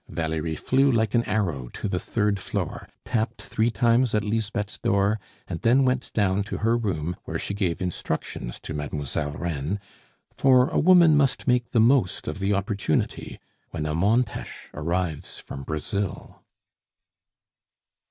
Valerie flew like an arrow to the third floor, tapped three times at Lisbeth's door, and then went down to her room, where she gave instructions to Mademoiselle Reine, for a woman must make the most of the opportunity when a Montes arrives from Brazil.